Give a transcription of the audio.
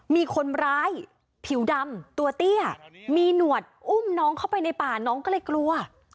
มีคนร้ายผิวดำตัวเตี้ยมีหนวดอุ้มน้องเข้าไปในป่าน้องก็เลยกลัว